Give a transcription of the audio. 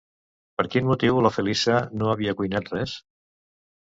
Per quin motiu la Feliça no havia cuinat res?